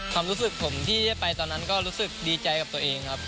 ความรู้สึกผมที่ได้ไปตอนนั้นก็รู้สึกดีใจกับตัวเองครับ